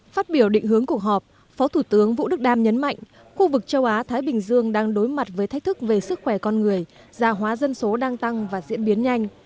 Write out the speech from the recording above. phát biểu định hướng cuộc họp phó thủ tướng vũ đức đam nhấn mạnh khu vực châu á thái bình dương đang đối mặt với thách thức về sức khỏe con người già hóa dân số đang tăng và diễn biến nhanh